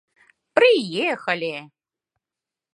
Приехали!